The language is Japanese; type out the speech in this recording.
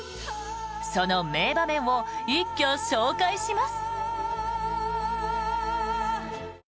その名場面を一挙紹介します。